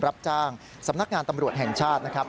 รับจ้างสำนักงานตำรวจแห่งชาตินะครับ